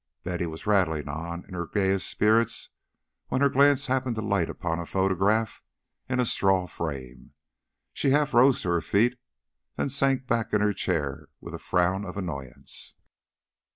Betty was rattling on in her gayest spirits, when her glance happened to light on a photograph in a straw frame. She half rose to her feet, then sank back in her chair with a frown of annoyance.